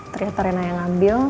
ternyata rina yang ambil